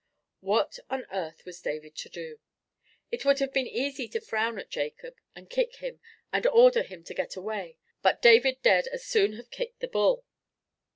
What on earth was David to do? It would have been easy to frown at Jacob, and kick him, and order him to get away; but David dared as soon have kicked the bull.